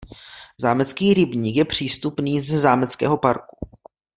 Zámecký rybník je přístupný ze zámeckého parku.